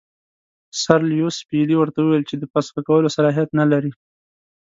سر لیویس پیلي ورته وویل چې د فسخ کولو صلاحیت نه لري.